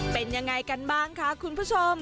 เป็นยังไงกันบ้างคะคุณผู้ชม